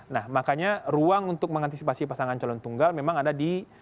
nah makanya ruang untuk mengantisipasi pasangan calon tunggal memang ada di